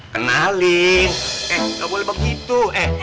kenalin eh nggak boleh begitu